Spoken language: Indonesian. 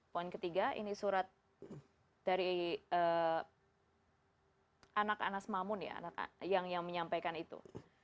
poin ketiga ini surat dari anak anas mamun ya yang menyampaikan itu